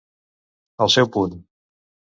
Al seu punt.